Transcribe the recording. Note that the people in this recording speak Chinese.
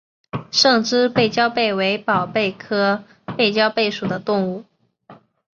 胜枝背焦贝为宝贝科背焦贝属的动物。